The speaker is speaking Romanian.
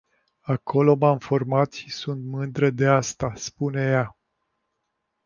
Acolo m-am format și sunt mândră de asta spune ea.